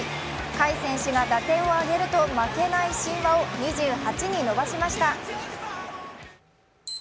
甲斐選手が打点を挙げると負けない神話を２８に伸ばしました。